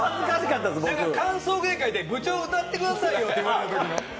歓送迎会で、部長歌ってくださいよって言われたときみたい。